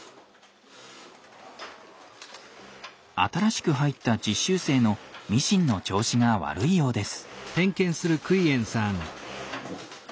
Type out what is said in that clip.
新しく入った実習生のミシンの調子が悪いようです。